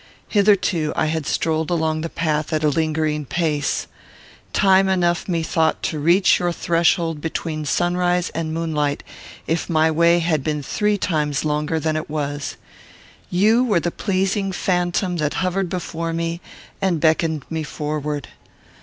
Hitherto I had strolled along the path at a lingering pace. Time enough, methought, to reach your threshold between sunrise and moonlight, if my way had been three times longer than it was. You were the pleasing phantom that hovered before me and beckoned me forward.